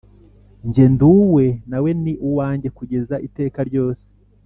Njye nduwe nawe ni uwanjye kugeza iteka ryose